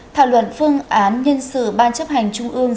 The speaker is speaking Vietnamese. thảo luận phương án nhân sự ban chấp hành trung ương